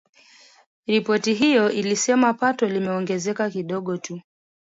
Ripoti hiyo ilisema pato limeongezeka kidogo tu